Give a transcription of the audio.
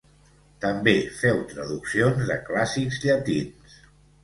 També féu traduccions de clàssics llatins.